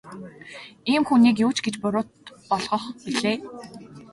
Ийм хүнийг юу ч гэж буруут болгох билээ.